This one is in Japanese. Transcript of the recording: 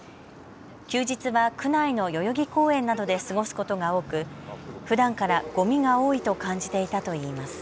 休日は区内の代々木公園などで過ごすことが多くふだんからごみが多いと感じていたといいます。